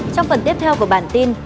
trong phần tiếp theo của bản tin